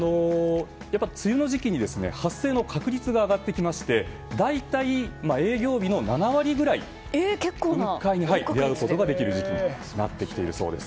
梅雨の時期に発生の確率が上がってきまして大体営業日の７割くらい雲海に出会うことができるそうです。